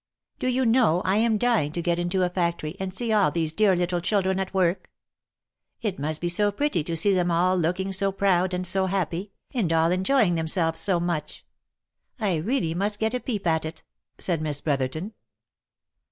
Do you know I am dying to get into a factory, and see all these dear little children at work. It must be so pretty to see them all looking so proud and so happy, and all enjoying themselves so much! I really must get a peep at it," said Miss Brotherton.